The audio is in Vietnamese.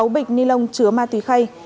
sáu bịch nilon chứa ma túy khay